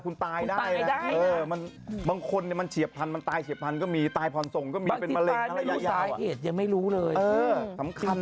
คุณตายได้นะคุณบอกอย่างนี้ละกัน